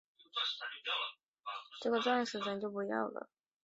完成改造后的机车在车身两侧下部增加了两道白色带以示区别。